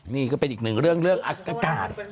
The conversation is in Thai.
นี่ก็เป็นอีกหนึ่งเรื่องเรื่องอากาศ